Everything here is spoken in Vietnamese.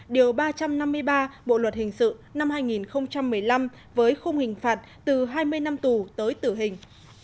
điều ba trăm năm mươi ba bộ luật hình sự năm hai nghìn một mươi năm với khung hình phạt từ hai mươi năm tù tới tử hình